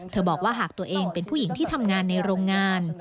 บอกว่าหากตัวเองเป็นผู้หญิงที่ทำงานในโรงงาน